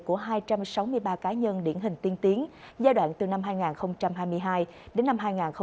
của hai trăm sáu mươi ba cá nhân điển hình tiên tiến giai đoạn từ năm hai nghìn hai mươi hai đến năm hai nghìn hai mươi hai